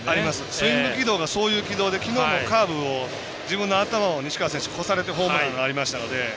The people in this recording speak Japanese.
スイング軌道がそういう軌道で昨日もカーブを、自分の頭を西川選手、越されてホームランがありましたので。